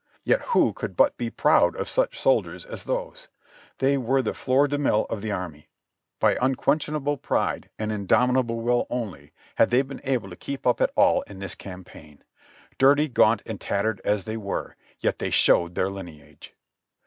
Yet who could but be proud of such soldiers as those? They were the f^cnr dc inille of the army : by unquenchable pride and indomitable will only had they been enabled to keep up at all in 19 290 JOHNNY REB AND BIIvLY YANK this campaign; dirty, gaunt and tattered as they were, yet they showed their Hneage.